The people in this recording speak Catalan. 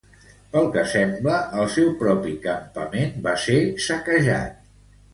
Pel que sembla, el seu propi campament va ser saquejat.